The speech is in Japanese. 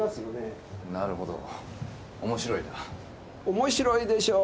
面白いでしょう。